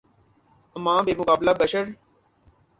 اماں بمقابلہ بشر